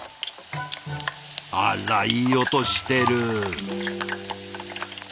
あらいい音してる。